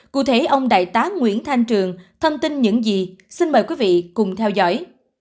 cụ thể ông đại tá nguyễn thanh trường thông tin những gì xin mời quý vị cùng theo dõi